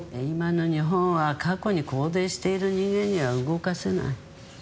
今の日本は過去に拘泥している人間には動かせない。